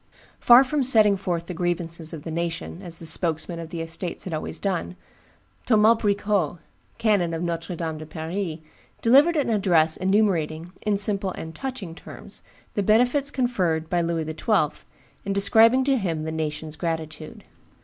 [Illustration: STATES GENERAL AT TOURS 329] "Far from setting forth the grievances of the nation, as the spokesman of the estates had always done, Thomas Bricot, canon of Notre Dame de Paris, delivered an address enumerating, in simple and touching terms, the benefits conferred by Louis XII., and describing to him the nation's gratitude.